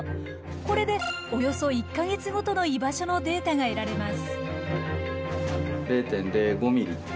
これでおよそ１か月ごとの居場所のデータが得られます。